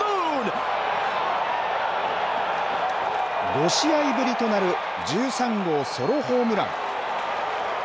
５試合ぶりとなる１３号ソロホームラン。